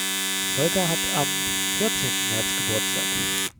Volker hat am vierzehnten März Geburtstag.